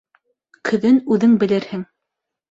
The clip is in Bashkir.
Көҙөн үҙең белерһең.